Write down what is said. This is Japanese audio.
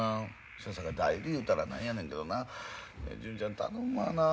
そやさか代理言うたらなんやねんけどな純ちゃん頼むわなあ。